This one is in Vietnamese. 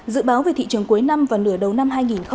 dự báo về thị trường cuối năm và nửa đầu năm hai nghìn hai mươi